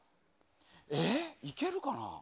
えー、いけるかな？